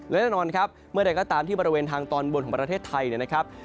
และแน่นอนเมื่อไหร่ก็ตามที่บริเวณทางตอนบนของประเทศไทยนะครับ